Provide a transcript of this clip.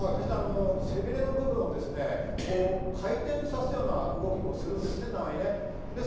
背びれの部分をですね、回転させるような動きもするんですね、たまに。